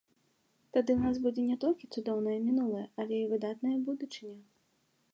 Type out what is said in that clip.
Тады ў нас будзе не толькі цудоўнае мінулае, але і выдатная будучыня.